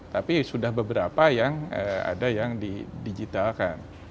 tapi sudah beberapa yang ada yang didigitalkan